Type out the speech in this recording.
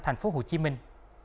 thành phố hồ chí minh